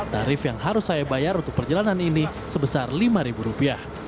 tarif yang harus saya bayar untuk perjalanan ini sebesar rp lima